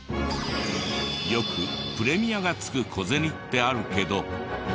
よくプレミアがつく小銭ってあるけど。